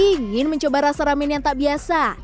ingin mencoba rasa ramen yang tak biasa